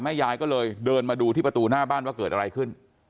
ยายก็เลยเดินมาดูที่ประตูหน้าบ้านว่าเกิดอะไรขึ้น